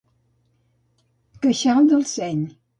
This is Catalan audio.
Queixal del seny.